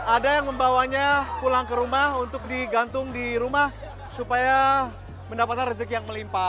ada yang membawanya pulang ke rumah untuk digantung di rumah supaya mendapatkan rezeki yang melimpa